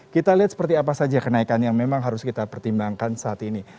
kita lihat seperti apa saja kenaikan yang memang harus kita pertimbangkan saat ini